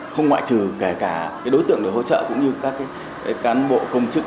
không ngoại trừ kể cả cái đối tượng được hỗ trợ cũng như các cái cán bộ công trực